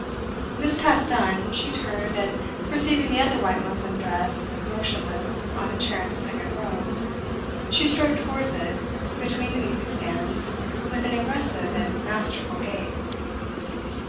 This task done, she turned, and, perceiving the other white muslin dress motionless on a chair in the second row, she strode towards it between the music stands with an aggressive and masterful gait.